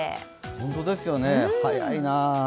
本当ですよね、早いなあ。